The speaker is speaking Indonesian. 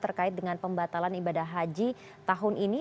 terkait dengan pembatalan ibadah haji tahun ini